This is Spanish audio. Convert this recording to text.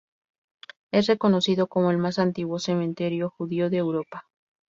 Es reconocido como el más antiguo cementerio judío de Europa.